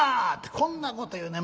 こんなこと言うねん。